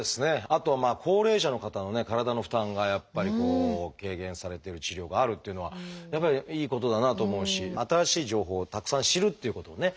あとは高齢者の方のね体の負担がやっぱりこう軽減されてる治療があるっていうのはやっぱりいいことだなと思うし新しい情報をたくさん知るっていうこともね